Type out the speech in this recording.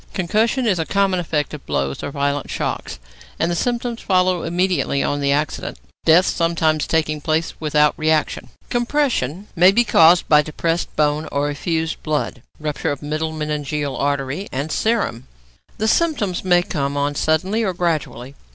Concussion is a common effect of blows or violent shocks, and the symptoms follow immediately on the accident, death sometimes taking place without reaction. Compression may be caused by depressed bone or effused blood (rupture of middle meningeal artery) and serum. The symptoms may come on suddenly or gradually.